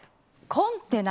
コンテナ。